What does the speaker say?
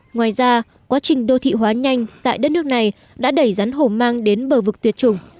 ngoài ra quá trình đô thị hóa nhanh tại đất nước này đã đẩy rắn hổ mang đến bờ vực tuyệt chủng